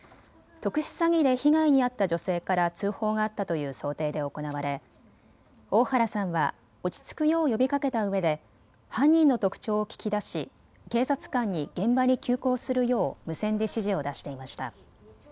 特殊詐欺で被害に遭った女性から通報があったという想定で行われ大原さんは落ち着くよう呼びかけたうえで、犯人の特徴を聞き出し警察官に現場に急行するよう無線で指示を出していました。